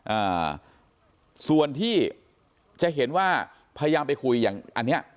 อ่าส่วนที่จะเห็นว่าพยายามไปคุยอย่างอันเนี้ย